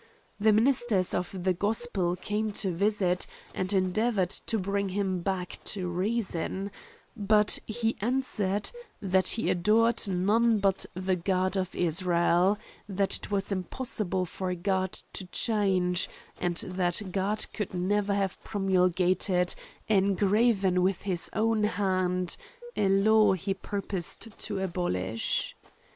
The ministers of the gospel came to visit, and endeavoured to bring him back to reason; but he answered, *' That he adored none but the God of Israel ; that it was impossi ble for God to change ; and that God could never have promulgated, engraven with his own hand, a law he purposed to aboiibh."